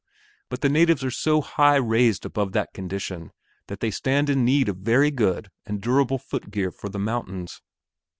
But the natives are so high raised above that condition that they stand in need of very good and durable footgear for the mountains.